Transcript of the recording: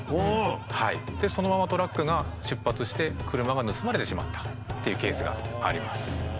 でそのままトラックが出発して車が盗まれてしまったっていうケースがあります。